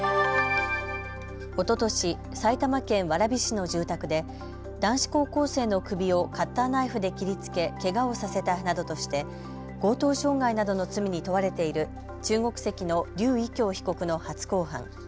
おととし、埼玉県蕨市の住宅で男子高校生の首をカッターナイフで切りつけ、けがをさせたなどとして強盗傷害などの罪に問われている中国籍の柳偉強被告の初公判。